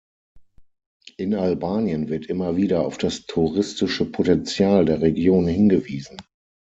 In Albanien wird immer wieder auf das touristische Potential der Region hingewiesen.